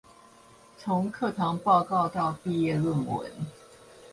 從課堂報告到畢業論文